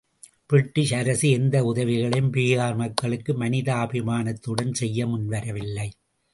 British அரசு எந்த உதவிகளையும் பீகார் மக்களுக்கு மனிதாபிமானத்துடன் செய்ய முன் வரவில்லை.